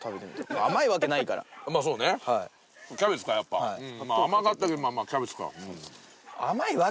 甘かったけどまぁまぁキャベツか。